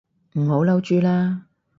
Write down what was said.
唔好嬲豬啦